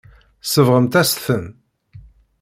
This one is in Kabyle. Tsebɣemt-as-ten.